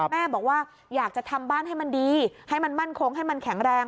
แม่บอกว่าอยากจะทำบ้านให้มันดีให้มันมั่นคงให้มันแข็งแรง